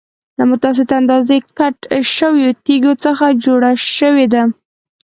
له متوسطې اندازې کټ شویو تېږو څخه جوړه شوې ده.